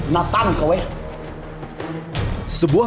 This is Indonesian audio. nataan kau eh